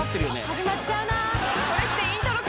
始まっちゃうな。